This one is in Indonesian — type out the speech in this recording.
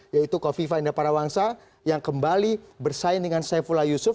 yaitu kofifa indah parawangsa yang kembali bersaing dengan saifullah yusuf